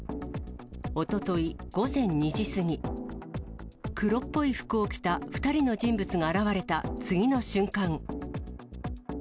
おととい午前２時過ぎ、黒っぽい服を着た２人の人物が現れた次の瞬間。